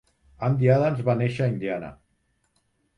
Andy Adams va néixer a Indiana.